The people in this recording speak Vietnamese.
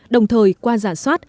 đồng thời qua giản soát